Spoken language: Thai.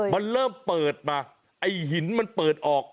มันเริ่มเปิดมาไอ้หินมันเปิดออก